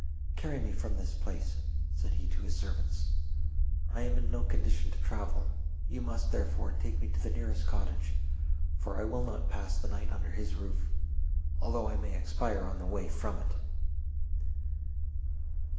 Carry me from this place," said he to his servants. "I am in no condition to travel: you must, therefore, take me to the nearest cottage, for I will not pass the night under his roof, although I may expire on the way from it."